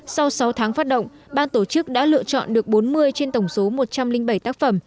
sau sáu tháng phát động ban tổ chức đã lựa chọn được bốn mươi trên tổng số một trăm linh bảy tác phẩm